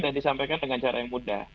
dan disampaikan dengan cara yang mudah